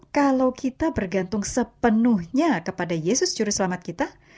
kalau kita bergantung sepenuhnya kepada yesus curi selamat kita